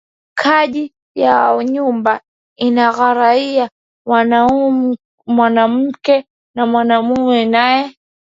Kaji ya nyumba ina angariya mwanamuke na mwanaume naye